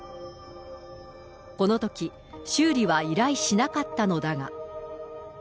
このとき、修理は依頼しなかったのだが。